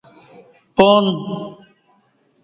پان